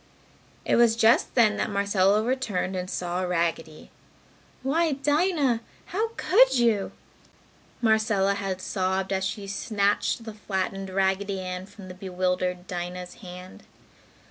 It was just then, that Marcella returned and saw Raggedy. "Why, Dinah! How could you!" Marcella had sobbed as she snatched the flattened Raggedy Ann from the bewildered Dinah's hand.